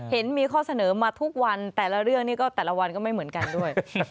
เห็นมีข้อเสนอมาทุกวันแต่ละเรื่องนี้ก็แต่ละวันก็ไม่เหมือนกันด้วย